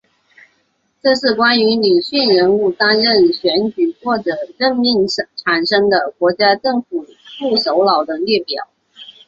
这是关于女性人物担任选举或者任命产生的国家政府副首脑的列表。